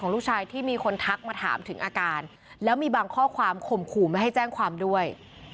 ลูกชายที่มีคนทักมาถามถึงอาการแล้วมีบางข้อความข่มขู่ไม่ให้แจ้งความด้วย